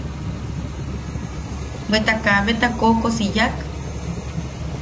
Bweta kabeta koʼokosi yak.